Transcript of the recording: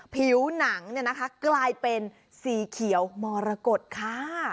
ผิวหนังกลายเป็นสีเขียวมรกฏค่ะ